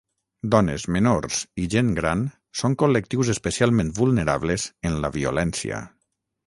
Dones, menors i gent gran són col·lectius especialment vulnerables en la violència.